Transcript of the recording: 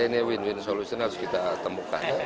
ini win win solution harus kita temukan